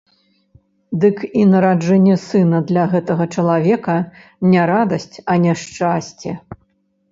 Дык і нараджэнне сына для гэтага чалавека не радасць, а няшчасце.